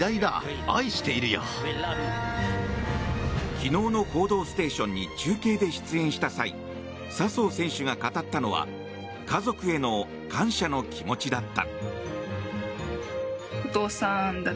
昨日の「報道ステーション」に中継で出演した際笹生選手が語ったのは家族への感謝の気持ちだった。